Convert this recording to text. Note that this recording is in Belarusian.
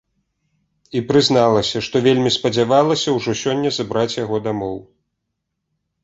І прызналася, што вельмі спадзявалася ўжо сёння забраць яго дамоў.